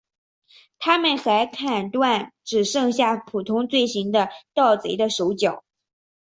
他们还砍断只犯下普通罪行的盗贼的手脚。